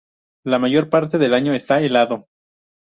La mayor parte del año está helado.